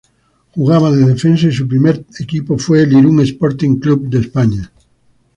Jugaba de defensa y su primer equipo fue el Irún Sporting Club de España.